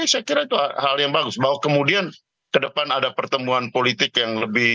saya kira itu hal yang bagus bahwa kemudian ke depan ada pertemuan politik yang lebih